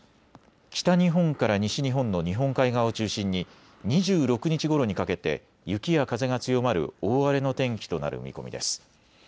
北日本から西日本の日本海側を中心に２６日ごろにかけて雪や風が強まる大荒れの天気となる見込みです。